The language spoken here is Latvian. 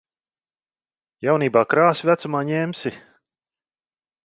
Jaunībā krāsi, vecumā ņemsi.